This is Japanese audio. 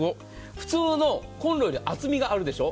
普通のコンロより厚みがあるでしょ。